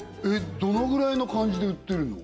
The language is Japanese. どのぐらいの感じで売ってるの？